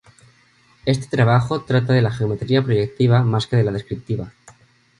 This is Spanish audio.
Este trabajo trata de la geometría proyectiva más que de la descriptiva.